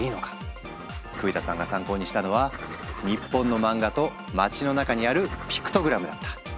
栗田さんが参考にしたのは日本の漫画と街の中にあるピクトグラムだった。